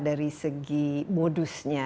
dari segi modusnya